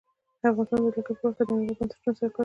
افغانستان د جلګه په برخه کې نړیوالو بنسټونو سره کار کوي.